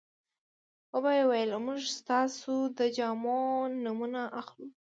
وبه یې ویل موږ ستاسو د جامو نمونه اخلو.